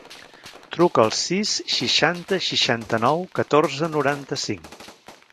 Truca al sis, seixanta, seixanta-nou, catorze, noranta-cinc.